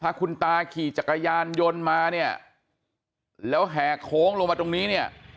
ถ้าคุณตาขี่จักรยานยนต์มาเนี่ยแล้วแห่โค้งลงมาตรงนี้เนี่ย